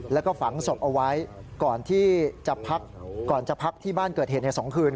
แล้วก็ฝังศพเอาไว้ก่อนที่จะพักที่บ้านเกิดเหตุในสองคืน